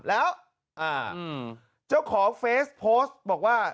แล้วเจ้าของเฟสโพสต์บอกว่า